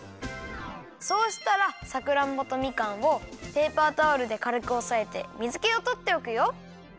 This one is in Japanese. そうしたらさくらんぼとみかんをペーパータオルでかるくおさえて水けをとっておくよ。